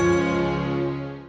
ini saya bawain pesenannya